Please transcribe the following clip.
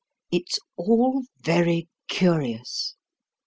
It's all very curious.